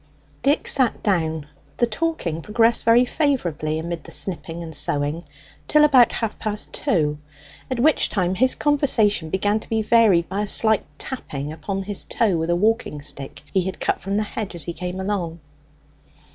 Dick sat down. The talking progressed very favourably, amid the snipping and sewing, till about half past two, at which time his conversation began to be varied by a slight tapping upon his toe with a walking stick he had cut from the hedge as he came along.